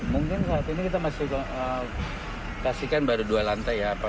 mungkin saat ini kita masih kasihkan baru dua lantai ya